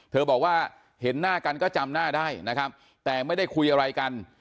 บอกว่าเห็นหน้ากันก็จำหน้าได้นะครับแต่ไม่ได้คุยอะไรกัน